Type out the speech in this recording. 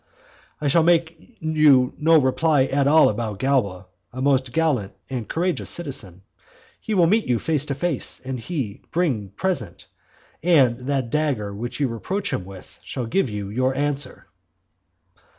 I shall make you no reply at all about Galba; a most gallant and courageous citizen. He will meet you face to face; and he being present, and that dagger which you reproach him with, shall give you your answer.